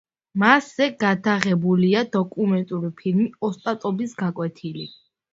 მასზე გადაღებულია დოკუმენტური ფილმი „ოსტატობის გაკვეთილი“.